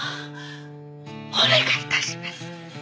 お願い致します。